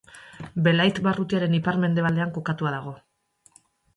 Belait barrutiaren ipar-mendebaldean kokatua dago.